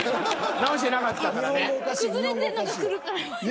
直してなかったからね。